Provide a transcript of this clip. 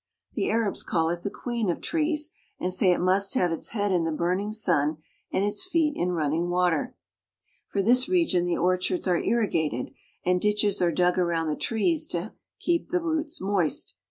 The Arabs call it the queen of trees, and say it must have its head in the burning sun and its feet in running water. For this reason the orchards are irrigated, and ditches are dug around the trees to keep the roots moist.